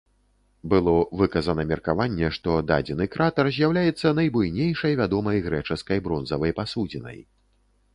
Было выказана меркаванне, што дадзены кратар з'яўляецца найбуйнейшай вядомай грэчаскай бронзавай пасудзінай.